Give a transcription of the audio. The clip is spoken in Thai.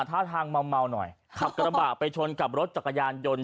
ท่าทางเมาหน่อยขับกระบะไปชนกับรถจักรยานยนต์